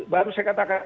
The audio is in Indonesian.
baru saya katakan